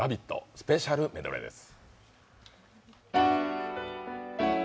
スペシャルメドレーです。